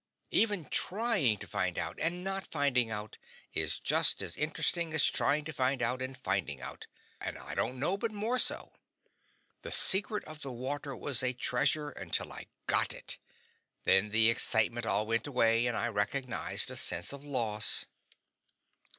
Even trying to find out and not finding out is just as interesting as trying to find out and finding out, and I don't know but more so. The secret of the water was a treasure until I GOT it; then the excitement all went away, and I recognized a sense of loss.